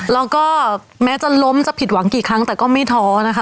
แล้วก็แม้จะล้มจะผิดหวังกี่ครั้งแต่ก็ไม่ท้อนะคะ